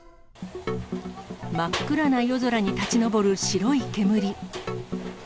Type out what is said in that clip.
真っ暗な夜空に立ち上る白い煙。